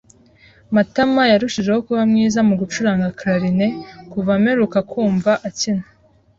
Matama yarushijeho kuba mwiza mu gucuranga Clarinet kuva mperuka kumva akina.